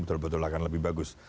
betul betul akan lebih bagus